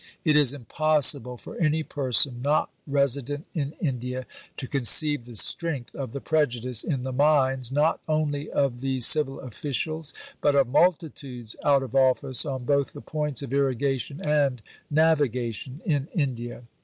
It is impossible for any person not resident in India to conceive the strength of the prejudice in the minds, not only of the civil officials, but of multitudes out of office on both the points of irrigation and navigation in India.